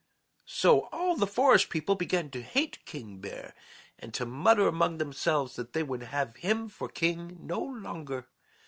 _ So all the forest people began to hate King Bear and to mutter among themselves that they would have him for king no longer.